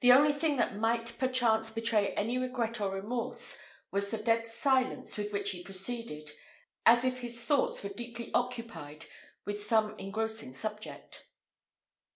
The only thing that might perchance betray any regret or remorse was the dead silence with which he proceeded, as if his thoughts were deeply occupied with some engrossing subject.